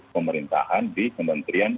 pemerintahan di kementerian